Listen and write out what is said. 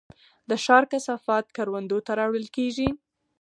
د ښار کثافات کروندو ته راوړل کیږي؟